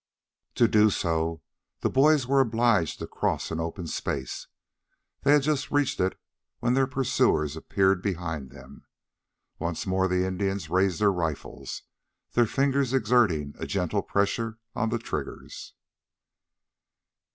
To do so, the boys were obliged to cross an open space. They had just reached it, when their pursuers appeared behind them. Once more the Indians raised their rifles, their fingers exerting a gentle pressure on the triggers.